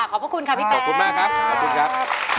ขอบคุณค่ะพี่แปรขอบคุณมากครับ